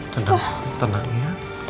tenang tenang ya